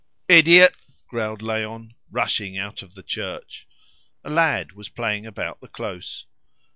"Idiot!" growled Léon, rushing out of the church. A lad was playing about the close.